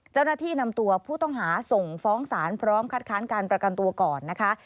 เจ้าหน้าที่นำตัวผู้ต้องหาส่งฟ้องศาลพร้อมคัดค้านการประกันตัวก่อนนะคะ